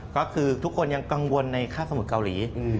ก็คือทุกคนยังกังวลในค่าสมุทรเกาหลี